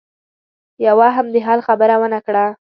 يوه هم د حل خبره ونه کړه.